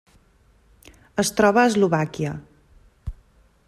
Es troba a Eslovàquia.